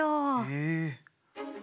へえ。